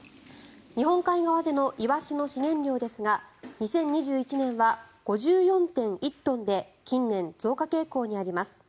日本海側でのイワシの資源量ですが２０２１年は５４．１トンで近年、増加傾向にあります。